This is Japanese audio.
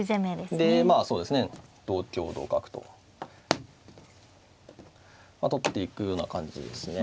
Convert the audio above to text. でまあそうですね同香同角と取っていくような感じですね。